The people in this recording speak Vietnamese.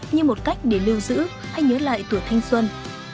như một cách để lưu giữ hay nhớ lại tuổi thanh xuân